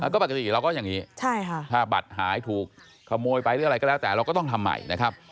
ก็ปกติเราก็อย่างนี้ถ้าบัตรหายถูกขโมยไปหรืออะไรก็แล้วแต่เราก็ต้องทำใหม่นะครับ